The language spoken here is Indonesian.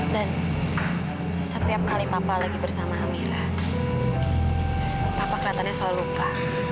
dan setiap kali papa lagi bersama amirah papa kelihatannya selalu lupa